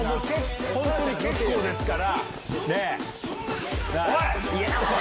本当に結構ですから。